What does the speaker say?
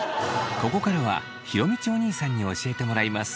ここからは弘道おにいさんに教えてもらいます。